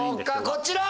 こちら！